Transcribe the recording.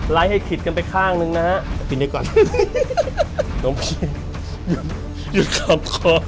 ไล่ให้คิดกันไปข้างหนึ่งนะครับ